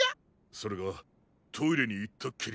それがトイレにいったっきり。